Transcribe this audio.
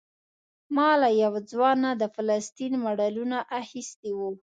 ما له یو ځوان نه د فلسطین ماډلونه اخیستي وو.